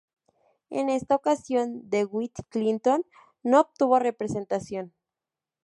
En esta ocasión, Dewitt Clinton, no obtuvo representación.